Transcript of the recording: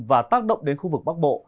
và tác động đến khu vực bắc bộ